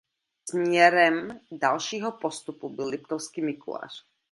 Směrem dalšího postupu byl Liptovský Mikuláš.